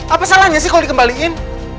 apa salahnya sih kalau dikembaliin